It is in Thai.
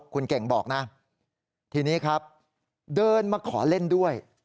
คุณเก่งบอกนะทีนี้ครับเดินมาขอเล่นด้วย